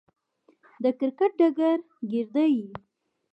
د کرکټ ډګر ګيردى يي.